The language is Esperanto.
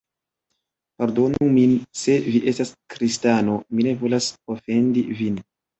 Pardonu min se vi estas kristano, mi ne volas ofendi vin.